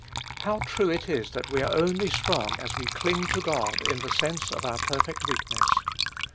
How true it is that we are only strong as we cling to God in the sense of our perfect weakness.